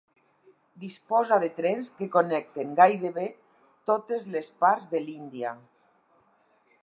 Disposa de trens que connecten gairebé totes les parts de l'Índia.